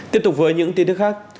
tiếp tục với những tin tức khác